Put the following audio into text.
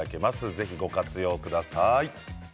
ぜひ、ご活用ください。